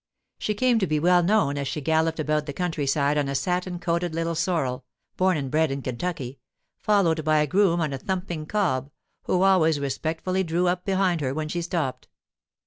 She came to be well known as she galloped about the country side on a satin coated little sorrel (born and bred in Kentucky), followed by a groom on a thumping cob, who always respectfully drew up behind her when she stopped.